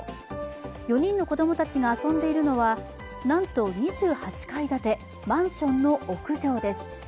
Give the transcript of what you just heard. ４人の子供たちが遊んでいるのはなんと２８階建てマンションの屋上です。